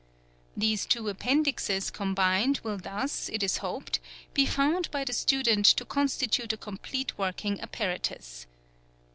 These two Appendixes combined will thus, it is hoped, be found by the student to constitute a complete working apparatus.